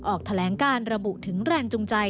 ออกแถลงการระบุถึงแรงจูงใจ